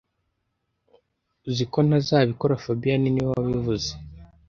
Uzi ko ntazabikora fabien niwe wabivuze